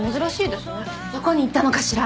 どこに行ったのかしら？